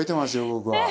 僕は。